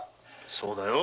そうだよ。